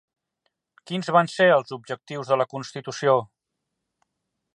Quins van ser els objectius de la Constitució?